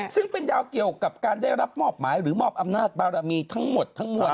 ซึ่งเป็นดาวเกี่ยวกับการได้รับมอบหมายหรือมอบอำนาจบารมีทั้งหมดทั้งมวล